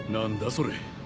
それ。